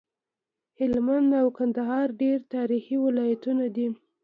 هلمند او کندهار ډير تاريخي ولايتونه دي